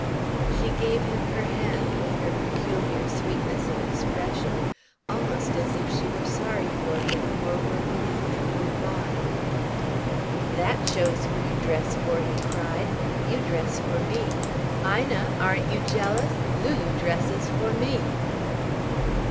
She gave him her hand, with her peculiar sweetness of expression almost as if she were sorry for him or were bidding him good bye. "That shows who you dress for!" he cried. "You dress for me; Ina, aren't you jealous? Lulu dresses for me!"